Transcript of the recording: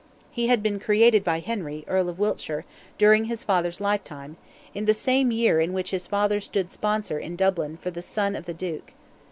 He had been created by Henry, Earl of Wiltshire, during his father's lifetime, in the same year in which his father stood sponsor in Dublin for the son of the Duke.